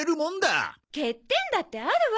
欠点だってあるわ。